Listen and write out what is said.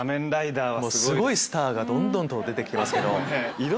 もうすごいスターがどんどんと出て来てますけど。